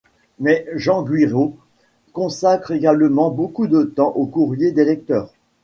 Mais Jean Guiraud consacre également beaucoup de temps au courrier des lecteurs.